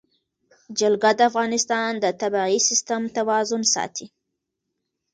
جلګه د افغانستان د طبعي سیسټم توازن ساتي.